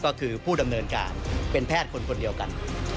ก็คือผู้ดำเนินการเป็นแพทย์คนคนเดียวกัน